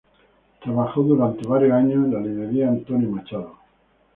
Trabajó durante varios años en la Librería Antonio Machado.